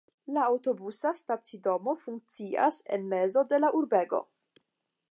La aŭtobusa stacidomo funkcias en mezo de la urbego.